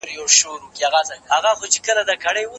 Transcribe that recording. یو ساده قاچوغه هم ککړتیا رامنځته کوي.